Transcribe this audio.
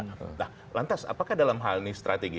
nah lantas apakah dalam hal ini strategi